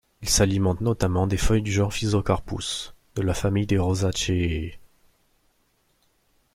Il s'alimente notamment des feuilles du genre Physocarpus, de la famille des Rosaceae.